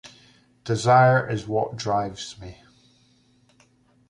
Desire is what drives me.